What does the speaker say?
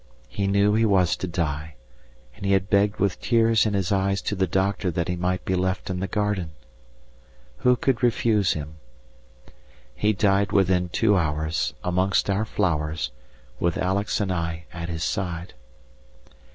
He knew he was to die, and he had begged with tears in his eyes to the doctor that he might be left in the garden. Who could refuse him? He died within two hours, amongst our flowers, with Alex and I at his side.